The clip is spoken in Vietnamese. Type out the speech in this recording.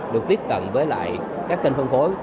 được tiếp cận với các kênh phân phối